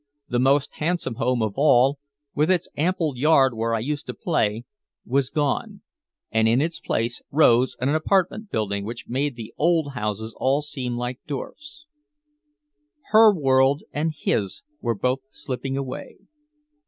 The most handsome home of all, with its ample yard where I used to play, was gone, and in its place rose an apartment building which made the old houses all seem dwarfs. Her world and his were both slipping away.